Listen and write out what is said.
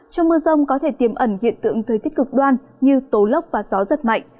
trong mưa rông có thể tiềm ẩn hiện tượng thời tiết cực đoan như tố lốc và gió giật mạnh